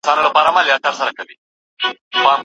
زه اجازه لرم چي تنظيم وکړم.